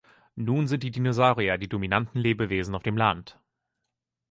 Nun sind die Dinosaurier die dominanten Lebewesen auf dem Land.